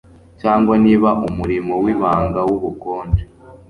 cyangwa niba umurimo wibanga wubukonje